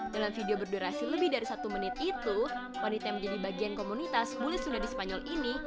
dalam video berdurasi lebih dari satu menit itu wanita yang menjadi bagian komunitas bule sunda di spanyol ini